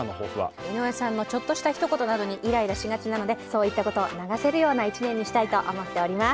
井上さんのちょっとしたひと言などにイライラしがちなのでそういったことを流せるような一年にしたいと思っております。